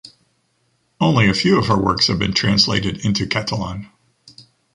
Only a few of her works have been translated into Catalan.